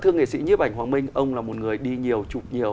thưa nghệ sĩ nhiếp ảnh hoàng minh ông là một người đi nhiều chụp nhiều